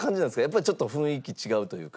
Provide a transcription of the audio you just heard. やっぱりちょっと雰囲気違うというか。